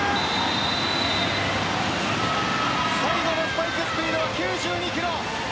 最後のスパイクスピードは９２キロ。